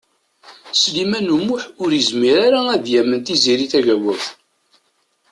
Sliman U Muḥ ur yezmir ara ad yamen Tiziri Tagawawt.